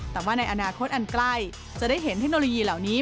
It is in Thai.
แต่ว่าในอนาคตอันใกล้จะได้เห็นเทคโนโลยีเหล่านี้